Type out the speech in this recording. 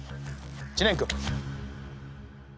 知念君。